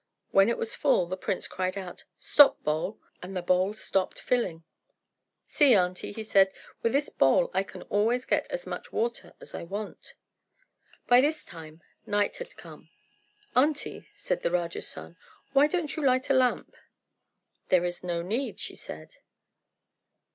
When it was full, the prince cried out, "Stop, bowl," and the bowl stopped filling. "See, aunty," he said, "with this bowl I can always get as much water as I want." By this time night had come. "Aunty," said the Raja's son, "why don't you light a lamp?" "There is no need," she said.